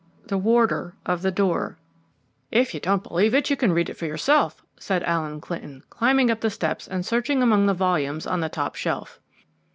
II THE WARDER OF THE DOOR "If you don't believe it, you can read it for yourself," said Allen Clinton, climbing up the steps and searching among the volumes on the top shelf.